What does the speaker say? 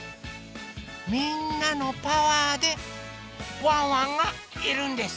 みんなのパワーでワンワンがいるんです。